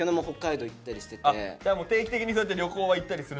定期的にそうやって旅行は行ったりするんだ。